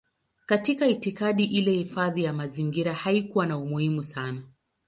Katika itikadi ile hifadhi ya mazingira haikuwa na umuhimu sana.